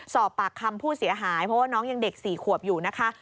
สอบปากคำผู้เสียหายเพราะว่าน้องยังเด็ก๔ขวบอยู่นะคะ